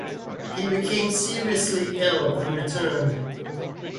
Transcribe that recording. He became seriously ill and returned.